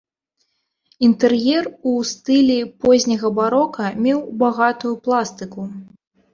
Інтэр'ер у стылі позняга барока меў багатую пластыку.